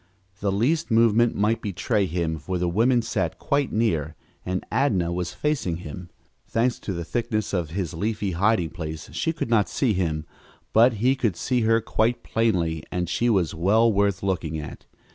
The least movement might betray him, for the women sat quite near, and Adnah was facing him. Thanks to the thickness of his leafy hiding place she could not see him, but he could see her quite plainly, and she was well worth looking at.